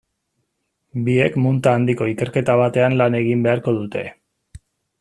Biek munta handiko ikerketa batean lan egin beharko dute.